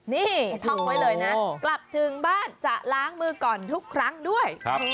นี่ท่องไว้เลยนะกลับถึงบ้านจะล้างมือก่อนทุกครั้งด้วย